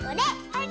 はい。